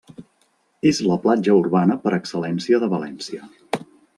És la platja urbana per excel·lència de València.